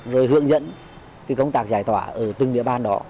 rồi hướng dẫn công tác giải tỏa ở từng địa bàn đó